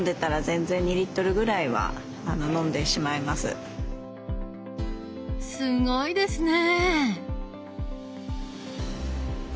結構すごいですね！